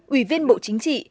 ủy viên bộ chính trị